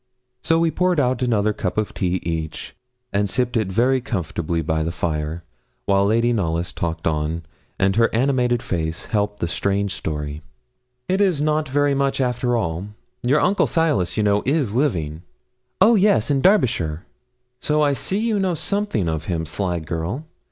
So we poured out another cup of tea each, and sipped it very comfortably by the fire, while Lady Knollys talked on, and her animated face helped the strange story. 'It is not very much, after all. Your uncle Silas, you know, is living?' 'Oh yes, in Derbyshire.' 'So I see you do know something of him, sly girl!